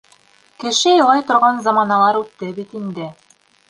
Кеше илай торған заманалар үтте бит инде.